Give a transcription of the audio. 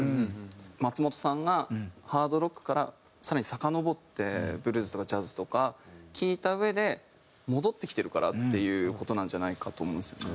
松本さんがハードロックから更にさかのぼってブルースとかジャズとか聴いたうえで戻ってきてるからっていう事なんじゃないかと思うんですよね。